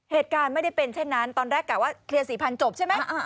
เหตุการณ์ไม่ได้เป็นเช่นนั้นตอนแรกกะว่าเคลียร์๔๐๐จบใช่ไหม